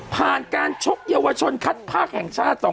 ผ่านการชกเยาวชนคัดภาคแห่งชาติ